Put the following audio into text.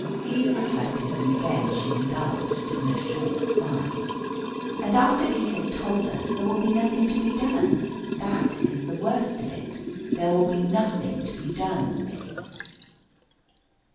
Eve reflected, and again she indulged in a short sigh. "And after he has told us there will be nothing to be done, that is the worst of it; there will be nothing to be done, Fitz."